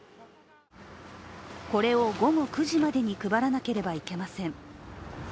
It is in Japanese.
これを午後９時までに配らなければいけません。